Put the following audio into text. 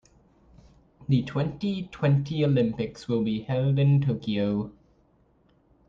The twenty-twenty Olympics will be held in Tokyo.